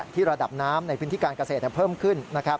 ที่ระดับน้ำในพื้นที่การเกษตรจะเพิ่มขึ้น